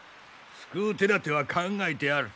救う手だては考えてある。